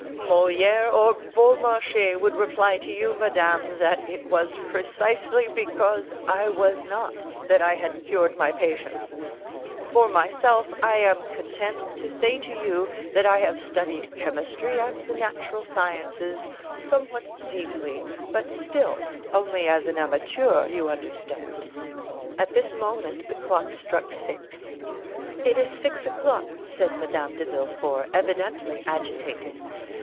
"Molière or Beaumarchais would reply to you, madame, that it was precisely because I was not, that I had cured my patients; for myself, I am content to say to you that I have studied chemistry and the natural sciences somewhat deeply, but still only as an amateur, you understand." At this moment the clock struck six. "It is six o'clock," said Madame de Villefort, evidently agitated.